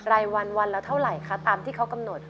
รายวันวันละเท่าไหร่คะตามที่เขากำหนด